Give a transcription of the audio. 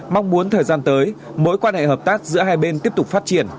mong muốn thời gian tới mối quan hệ hợp tác giữa hai bên tiếp tục phát triển